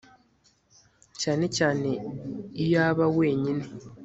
cyane cyane iyo aba wenyine